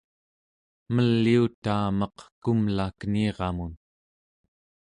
meliutaa meq kumla keniramun